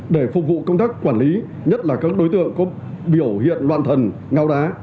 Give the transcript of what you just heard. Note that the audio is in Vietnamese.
để phục vụ công tác quản lý nhất là các đối tượng có biểu hiện loạn thần ngao đá